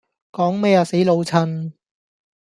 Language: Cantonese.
講咩呀死老襯?